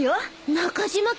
中島君。